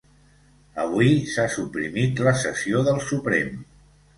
Avui s'ha suprimit la sessió del Suprem